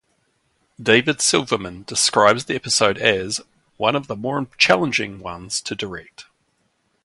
David Silverman describes the episode as "one of the more challenging ones" to direct.